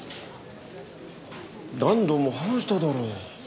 何度も話しただろう。